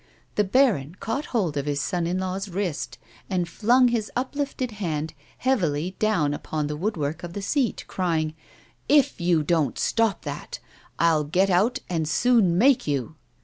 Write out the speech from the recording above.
The baron caught hold of his son in law's wrist, and flung his uplifted hand heavily down against the woodwork of the seat, crying :" If you don't stop that, I'll get out and soon make you."